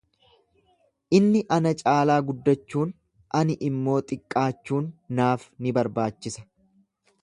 Inni ana caalaa guddachuun, ani immoo xiqqaachuun naaf ni barbaachisa.